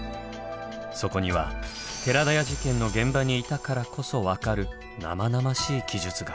そこには寺田屋事件の現場にいたからこそ分かる生々しい記述が。